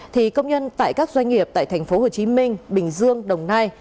thì công nhân tại các doanh nghiệp tại thành phố hồ chí minh bình dương đồng nai